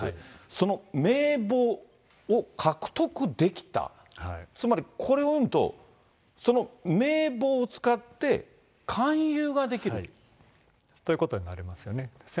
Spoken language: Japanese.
その名簿を獲得できた、つまりこれは読むと、その名簿を使って勧ということになりますよね。